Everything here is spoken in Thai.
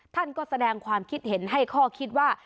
ท่านก็แสดงความคิดเห็นให้ข้อคิดว่า